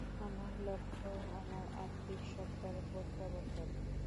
আমার লক্ষ্য আমার আত্মিক সত্তায় প্রত্যাবর্তন।